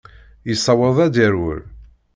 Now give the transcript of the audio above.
Yessaweḍ ad d-yerwel.